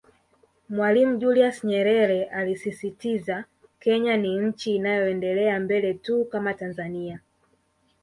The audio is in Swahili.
Mwalimu Julius Nyerere alisisitiza Kenya ni nchi inayoendelea mbele tu kama Tanzania